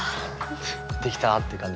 できたってかんじ？